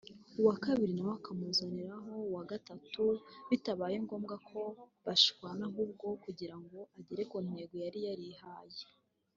uwa kabiri nawe akamuzaniraho uwa gatatu bitabaye ngombwa ko bashwana ahubwo kugira ngo agere ku ntego yari yarihaye